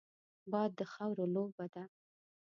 باد د خاورو لوبه ده